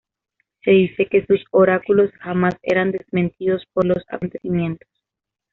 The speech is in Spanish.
Se dice que sus oráculos jamás eran desmentidos por los acontecimientos.